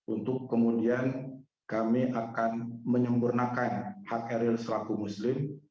untuk kemudian kami akan menyempurnakan hak eril selaku muslim